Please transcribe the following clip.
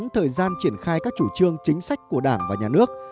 thời gian triển khai các chủ trương chính sách của đảng và nhà nước